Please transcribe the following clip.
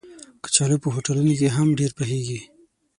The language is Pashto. کچالو په هوټلونو کې هم ډېر پخېږي